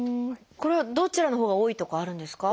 これはどちらのほうが多いとかはあるんですか？